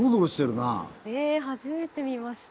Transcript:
え初めて見ました。